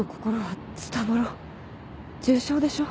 重傷でしょ？